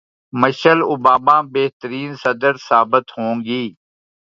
Michel Obama بہترین صدر ثابت ہوں گی